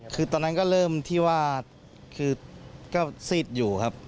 คือตอนนั้นก็เริ่มที่ว่าคือก็ซีดอยู่ครับ